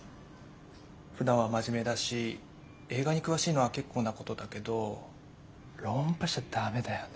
ふだんは真面目だし映画に詳しいのは結構なことだけど論破しちゃダメだよね。